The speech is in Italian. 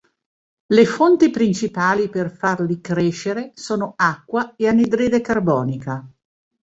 Le fonti principali per farli crescere sono acqua e anidride carbonica.